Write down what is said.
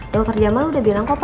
dokter jamal udah bilang kok